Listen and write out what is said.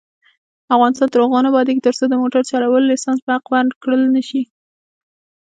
افغانستان تر هغو نه ابادیږي، ترڅو د موټر چلولو لایسنس په حق ورکړل نشي.